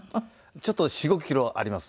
ちょっと４５キロあります。